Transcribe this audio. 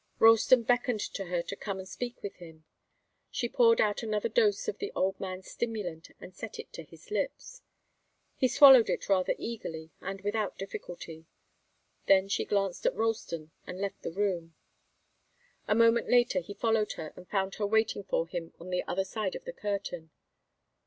Ralston beckoned to her to come and speak with him. She poured out another dose of the old man's stimulant and set it to his lips. He swallowed it rather eagerly and without difficulty. Then she glanced at Ralston and left the room. A moment later he followed her, and found her waiting for him on the other side of the curtain.